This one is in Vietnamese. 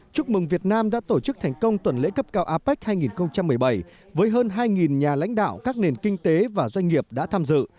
chúc mừng việt nam đã tổ chức thành công tuần lễ cấp cao apec hai nghìn một mươi bảy với hơn hai nhà lãnh đạo các nền kinh tế và doanh nghiệp đã tham dự